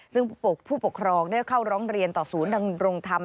ซึ่งผู้ปกครองได้เข้าร้องเรียนต่อศูนย์ดำรงธรรม